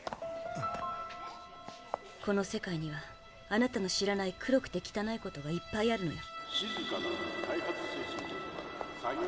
この世界にはあなたの知らない黒くてきたないことがいっぱいあるのよ。